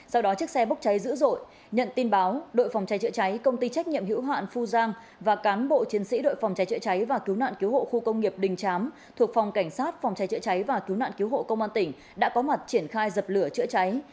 sau đó chiếc xe bốc cháy dữ dội nhận tin báo đội phòng cháy chữa cháy công ty trách nhiệm hữu hạn phu giang và cán bộ chiến sĩ đội phòng cháy chữa cháy và cứu nạn cứu hộ khu công nghiệp đình chám thuộc phòng cảnh sát phòng cháy chữa cháy và cứu nạn cứu hộ công an tỉnh đã có mặt triển khai dập lửa chữa cháy